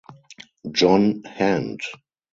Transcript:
John Hand.